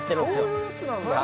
そういうやつなんだ